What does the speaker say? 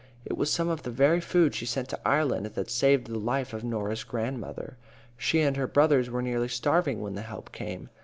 It was some of the very food she sent to Ireland that saved the life of Norah's grandmother. She and her brothers were nearly starving when the help came.